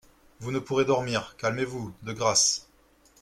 Vous ne pourrez dormir, calmez-vous, de grâce.